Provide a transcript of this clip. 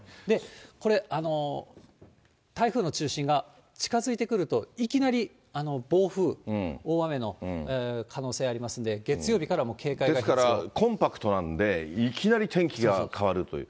これ、台風の中心が近づいてくると、いきなり暴風、大雨の可能性ありますんで、月曜日からもう、ですから、コンパクトなんで、いきなり天気が変わるという。